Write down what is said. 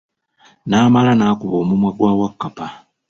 Naamala n'akuba omumwa gwa Wakkapa.